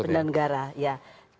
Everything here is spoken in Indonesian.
ya penyelenggaraan negara